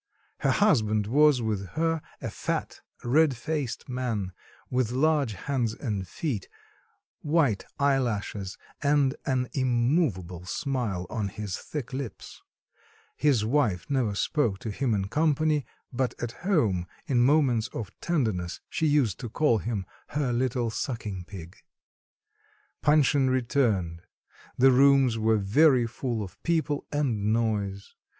Her husband was with her, a fat red faced man, with large hands and feet, white eye lashes, and an immovable smile on his thick lips; his wife never spoke to him in company, but at home, in moments of tenderness, she used to call him her little sucking pig. Panshin returned; the rooms were very full of people and noise.